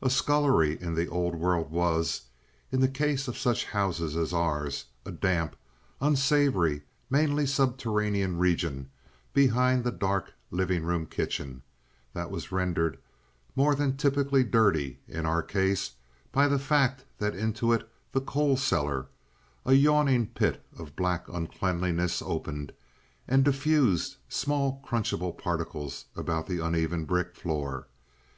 A scullery in the old world was, in the case of such houses as ours, a damp, unsavory, mainly subterranean region behind the dark living room kitchen, that was rendered more than typically dirty in our case by the fact that into it the coal cellar, a yawning pit of black uncleanness, opened, and diffused small crunchable particles about the uneven brick floor.